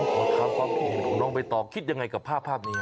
เปิดคำความผิดเห็นของน้องใบตอบคิดอย่างไรกับภาพแบบนี้